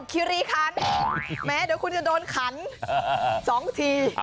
คิริคันแม้เดี๋ยวคุณจะโดนขัน๒ที